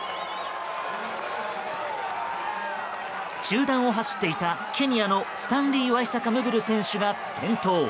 中団を走っていたケニアのスタンリーワイサカ・ムブル選手が転倒。